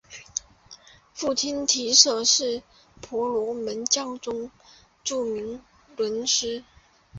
父亲提舍是婆罗门教中著名论师。